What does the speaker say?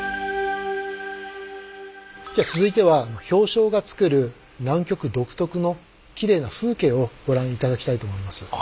じゃあ続いては氷床がつくる南極独特のきれいな風景をご覧頂きたいと思います。